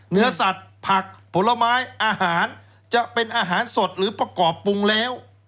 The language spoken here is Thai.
เนื้อสัตว์ผักผลไม้อาหารจะเป็นอาหารสดหรือประกอบปรุงแล้ว